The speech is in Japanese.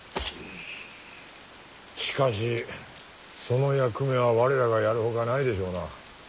しかしその役目は我らがやるほかないでしょうな。